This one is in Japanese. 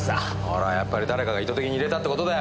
ほらやっぱり誰かが意図的に入れたって事だよ。